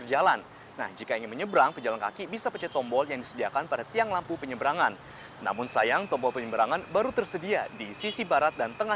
jembatan penyeberangan orang